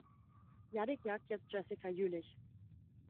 Jannick jagt jetzt Jessica Jüllich.